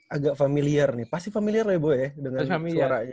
agak familiar nih pasti familiar lah ya bu ya dengan suaranya